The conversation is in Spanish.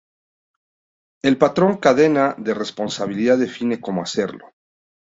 El patrón Cadena de Responsabilidad define cómo hacerlo.